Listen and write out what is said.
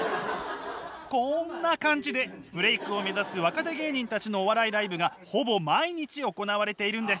こんな感じでブレイクを目指す若手芸人たちのお笑いライブがほぼ毎日行われているんです。